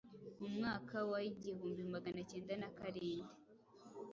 Mu mwaka wa igihumbi Magana cyenda na karindi